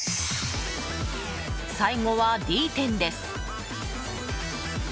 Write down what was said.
最後はＤ店です。